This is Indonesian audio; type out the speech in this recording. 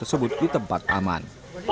tersebut di tempat aman